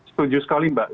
setuju sekali mbak